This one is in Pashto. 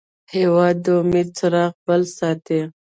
هېواد د امید څراغ بل ساتي.